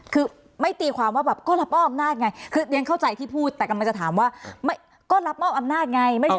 คือไม่ตีความว่าแบบก็รับมอบอำนาจไงคือเรียนเข้าใจที่พูดแต่กำลังจะถามว่าก็รับมอบอำนาจไง